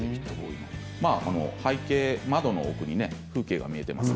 背景、窓の奥に風景が見えています。